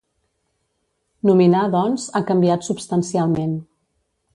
Nominar, doncs, ha canviat substancialment.